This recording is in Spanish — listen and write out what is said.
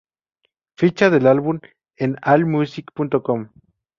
Ficha del álbum en allmusic.com